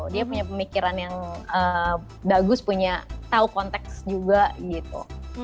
dia punya pemikiran yang bagus punya tau konteks juga gitu